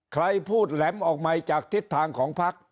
ใครพูดแหลมออกมาจากทิศทางของพัก